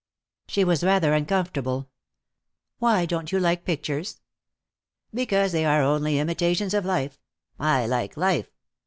She was rather uncomfortable. "Why don't you like pictures?" "Because they are only imitations of life. I like life."